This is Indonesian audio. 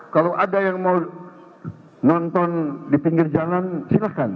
kalau ada yang mau nonton di pinggir jalan silahkan